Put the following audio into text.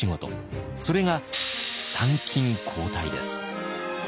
それが参勤交代です。